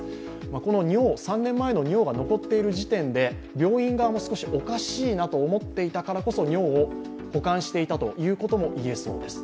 この３年前の尿が残っている時点で病院側も少しおかしいなと思っていたからこそ尿を保管していたということも言えそうです。